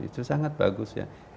itu sangat bagus ya